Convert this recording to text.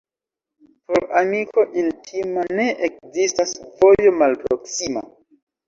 Por amiko intima ne ekzistas vojo malproksima.